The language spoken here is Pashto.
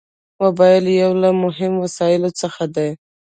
موبایل یو له مهمو وسایلو څخه دی.